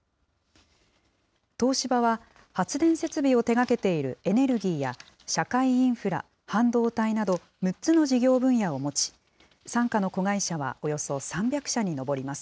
東芝は、発電設備を手がけているエネルギーや社会インフラ、半導体など、６つの事業分野を持ち、傘下の子会社はおよそ３００社に上ります。